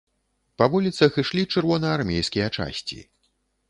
Па вуліцах ішлі чырвонаармейскія часці.